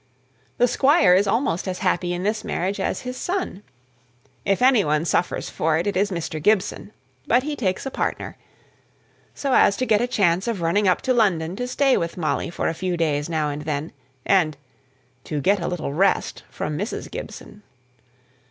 The squire is almost as happy in this marriage as his son. If any one suffers for it, it is Mr. Gibson. But he takes a partner, so as to get a chance of running up to London to stay with Molly for a few days now and then, and "to get a little rest from Mrs. Gibson."